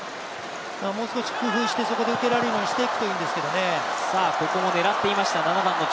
もう少し工夫してそこで受けられるようにしていくといいんですけどね。